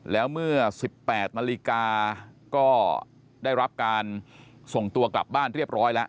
แล้วเมื่อ๑๘นาฬิกาก็ได้รับการส่งตัวกลับบ้านเรียบร้อยแล้ว